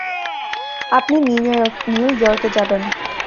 আপনি নিউ ইয়র্কে যাবেন।